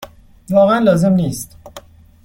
واقعا لازم نیست.